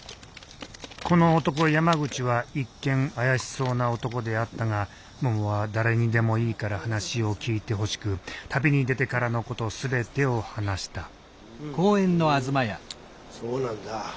この男山口は一見怪しそうな男であったがももは誰にでもいいから話を聞いてほしく旅に出てからのこと全てを話したふんそうなんだ。